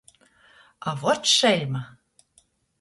A vot šeļma